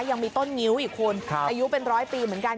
ยังมีต้นงิ้วอีกคุณอายุเป็นร้อยปีเหมือนกัน